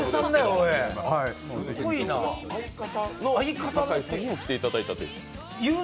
相方の酒井さんにも来ていただいたという。